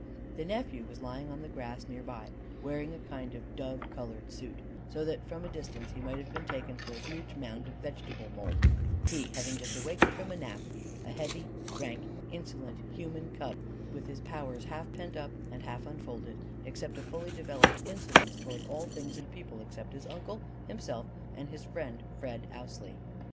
The nephew was lying on the grass near by, wearing a kind of dove colored suit; so that from a distance he might have been taken for a huge mound of vegetable mould; he having just awakened from a nap: a heavy, rank, insolent, human cub with his powers half pent up and half unfolded, except a fully developed insolence toward all things and people except his uncle, himself, and his friend, Fred Ousley.